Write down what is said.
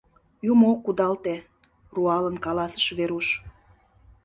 — Юмо ок кудалте, — руалын каласен Веруш.